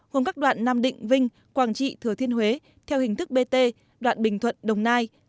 gồm các đoạn nam định vinh quảng trị thừa thiên huế theo hình thức bt đoạn bình thuận đồng nai